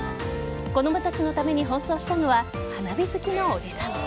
子供たちのために奔走したのは花火好きのおじさん。